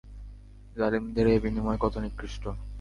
জালিমদের এ বিনিময় কত নিকৃষ্ট।